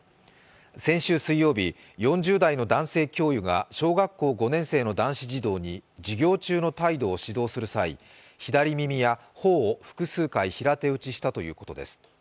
先週水曜日、４０代の男性教諭が小学校５年生の男子児童に授業中の態度を指導する際、左耳や頬を複数回、平手打ちしたということです。